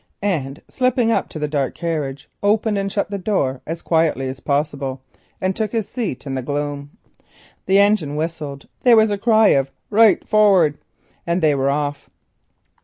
Slipping up to the dark carriage, he opened and shut the door as quietly as possible and took his seat in the gloom. The engine whistled, there was a cry of "right forrard," and they were off.